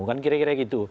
kan kira kira gitu